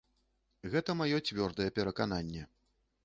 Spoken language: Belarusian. Гэта маё цвёрдае перакананне.